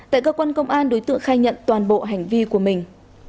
tại cơ quan công an đối tượng khai nhận toàn bộ hành vi của mình